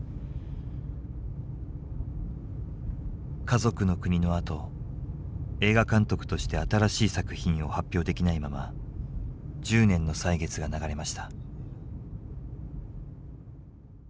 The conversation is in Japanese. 「かぞくのくに」のあと映画監督として新しい作品を発表できないまま１０年の歳月が流れました。